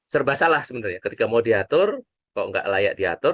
serba salah sebenarnya ketika mau diatur kok nggak layak diatur